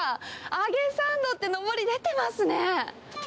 揚げサンドってのぼり出てますね。